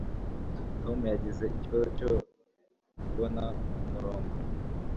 tom yagize ikibazo cyo kubona kumurongo